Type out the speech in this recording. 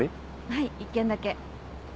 はい１件だけ。